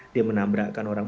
dia menambrakkan orang